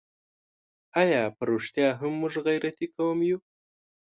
آیا په رښتیا هم موږ غیرتي قوم یو؟